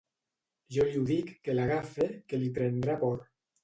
Jo li ho dic, que l'agafe, que li prendrà por.